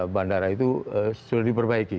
bandara itu sudah diperbaiki